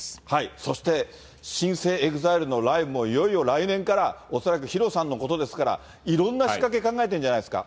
そして、新生ＥＸＩＬＥのライブもいよいよ来年から恐らくＨＩＲＯさんのことですから、いろんな仕掛け考えてんじゃないですか？